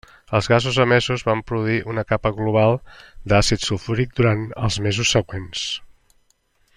Els gasos emesos van produir una capa global d'àcid sulfúric durant els mesos següents.